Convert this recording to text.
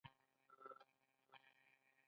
ماليې مقاصدو لپاره څارنه کوي.